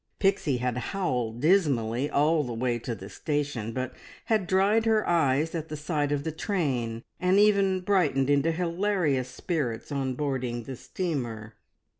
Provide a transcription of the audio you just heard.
Pixie had howled dismally all the way to the station, but had dried her eyes at the sight of the train, and even brightened into hilarious spirits on boarding the steamer.